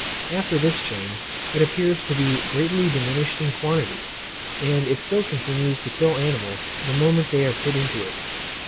After this change it appears to be greatly diminished in quantity, and it still continues to kill animals the moment they are put into it.